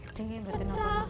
jadi yang berarti apa